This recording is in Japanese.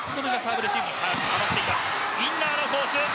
インナーのコース。